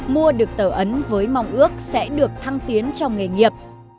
mua được tẩu ấn với mong ước sẽ được thăng tiến trong nghề nghiệp